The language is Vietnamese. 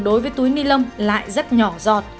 đối với túi ni lông lại rất nhỏ giọt